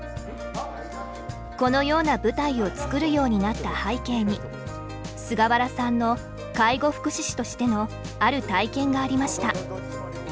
このような舞台を作るようになった背景に菅原さんの介護福祉士としてのある体験がありました。